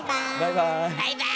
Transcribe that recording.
バイバーイ。